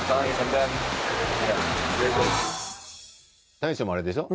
大将もあれでしょ？